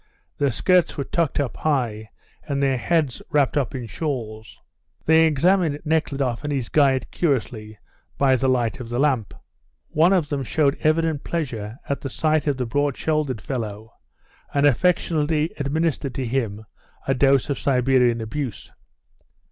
Their skirts were tucked up high, and their heads wrapped up in shawls. They examined Nekhludoff and his guide curiously by the light of the lamp. One of them showed evident pleasure at the sight of the broad shouldered fellow, and affectionately administered to him a dose of Siberian abuse.